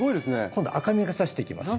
今度は赤みがさしてきます。